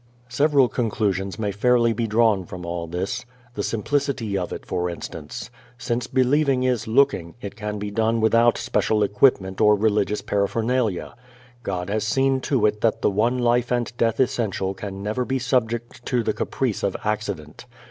Several conclusions may fairly be drawn from all this. The simplicity of it, for instance. Since believing is looking, it can be done without special equipment or religious paraphernalia. God has seen to it that the one life and death essential can never be subject to the caprice of accident.